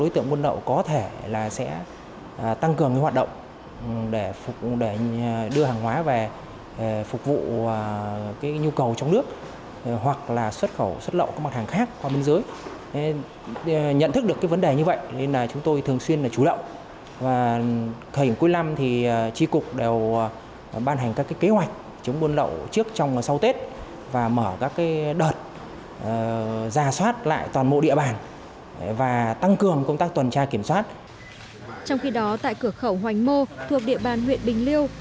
trong khi đó tại cửa khẩu hoành mô thuộc địa bàn huyện bình liêu